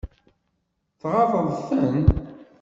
Tɣaḍeḍ-ten?